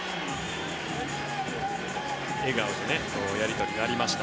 笑顔でやり取りがありました。